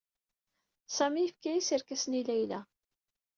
Sami yefka-as irkasen i Layla.